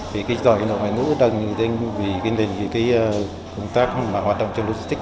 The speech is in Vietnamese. vì cái giỏi trình độ ngoại ngữ đang bị ghiền lên vì công tác hoạt động trên logistics